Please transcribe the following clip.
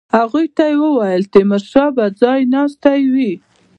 هغوی ته یې وویل تیمورشاه به ځای ناستی وي.